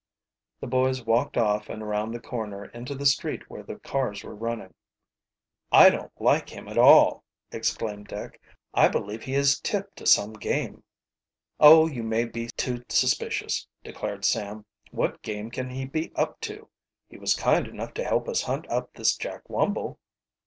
The boys walked off and around the corner into the street where the cars were running. "I don't like him at all," exclaimed Dick. "I believe he is tip to some game." "Oh, you may be too suspicious," declared Sam. "What game can he be up to? He was kind enough to help us hunt up this Jack Wumble."